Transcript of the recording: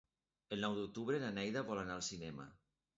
El nou d'octubre na Neida vol anar al cinema.